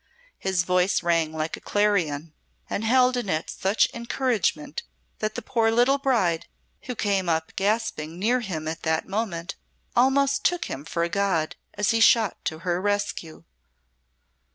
His voice rang like a clarion and held in it such encouragement that the poor little bride, who came up gasping near him at that moment, almost took him for a god as he shot to her rescue.